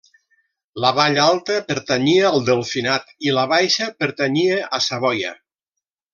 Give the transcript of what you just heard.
La vall alta pertanyia al Delfinat, i la baixa pertanyia a Savoia.